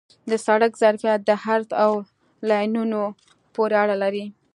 د سړک ظرفیت د عرض او لینونو پورې اړه لري